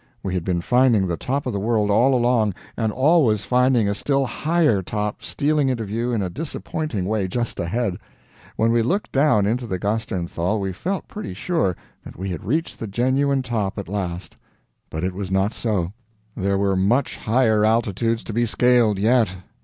We had been finding the top of the world all along and always finding a still higher top stealing into view in a disappointing way just ahead; when we looked down into the Gasternthal we felt pretty sure that we had reached the genuine top at last, but it was not so; there were much higher altitudes to be scaled yet.